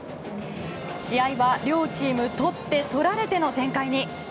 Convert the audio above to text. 試合は、両チーム取って取られての展開に。